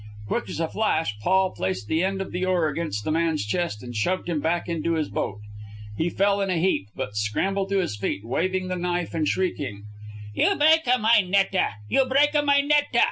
Quick as a flash Paul placed the end of the oar against the man's chest and shoved him back into his boat. He fell in a heap, but scrambled to his feet, waving the knife and shrieking: "You break a my net a! You break a my net a!"